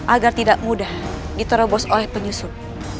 agar tidak mudah diterobos oleh penyusup